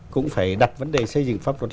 cũng phải đặt vấn đề xây dựng pháp luật